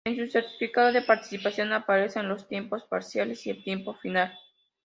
En su certificado de participación aparecen los tiempos parciales y el tiempo final.